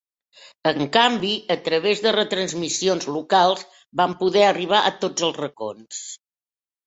En canvi, a través de retransmissions locals vam poder arribar a tots els racons.